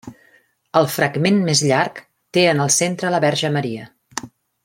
El fragment més llarg té en el centre la Verge Maria.